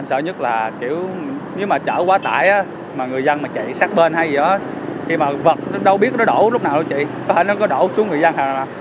em sợ nhất là kiểu nếu mà chở quá tải á mà người dân mà chạy sát bên hay gì đó thì mà vật đâu biết nó đổ lúc nào đâu chị có thể nó có đổ xuống người dân